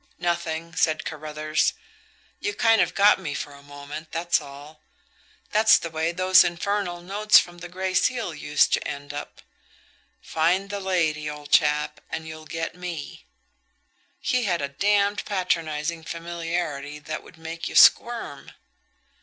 "Nothing," said Carruthers. "You kind of got me for a moment, that's all. That's the way those infernal notes from the Gray Seal used to end up: 'Find the lady, old chap; and you'll get me.' He had a damned patronising familiarity that would make you squirm."